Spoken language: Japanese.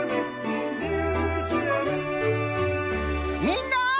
みんな！